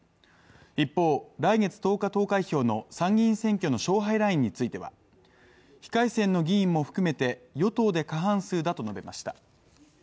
一方、来月１０日投開票の参議院選挙の勝敗ラインについては非改選の議員も含めて与党で過半数だと述べました。